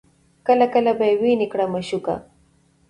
کله کله به یې ویني کړه مشوکه